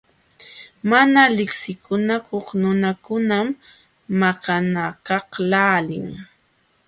Mana liqsinakuq nunakunam maqanakaqlaalin.